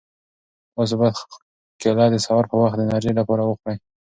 تاسو باید کیله د سهار په وخت کې د انرژۍ لپاره وخورئ.